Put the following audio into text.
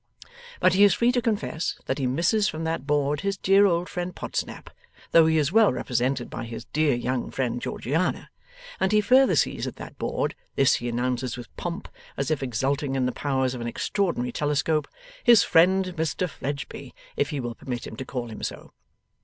But he is free to confess that he misses from that board his dear old friend Podsnap, though he is well represented by his dear young friend Georgiana. And he further sees at that board (this he announces with pomp, as if exulting in the powers of an extraordinary telescope) his friend Mr Fledgeby, if he will permit him to call him so.